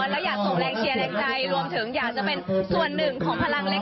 แล้วอยากส่งแรงเชียร์แรงใจรวมถึงอยากจะเป็นส่วนหนึ่งของพลังเล็ก